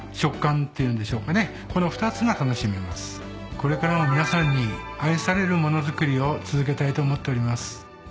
これからも皆さんに愛される物作りを続けたいと思っております。